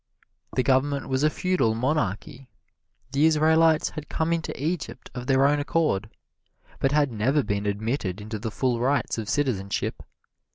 The government was a feudal monarchy. The Israelites had come into Egypt of their own accord, but had never been admitted into the full rights of citizenship.